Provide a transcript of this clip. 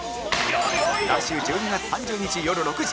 来週１２月３０日よる６時！